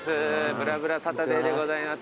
『ぶらぶらサタデー』でございます。